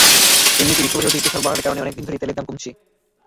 এমনিতেই বিশ্ববাজারে অতিরিক্ত সরবরাহের কারণে অনেক দিন ধরেই তেলের দাম কমছে।